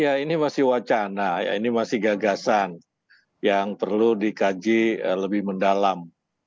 ya ini masih wacana ya ini masih gagasan yang perlu dikaji lebih mendalam